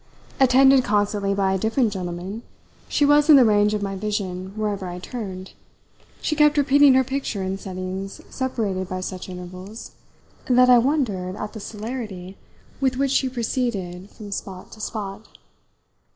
Attended constantly by a different gentleman, she was in the range of my vision wherever I turned she kept repeating her picture in settings separated by such intervals that I wondered at the celerity with which she proceeded from spot to spot.